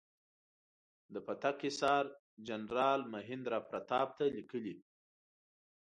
د پتک حصار جنرال مهیندراپراتاپ ته لیکلي.